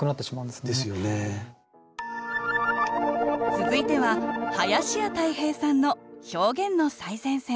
続いては林家たい平さんの「表現の最前線」。